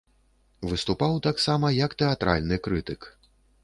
Выступаў таксама як тэатральны крытык.